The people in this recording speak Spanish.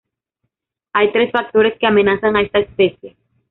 Hay tres factores que amenazan a esta especie.